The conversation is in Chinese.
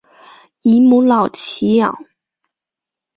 以母老乞养。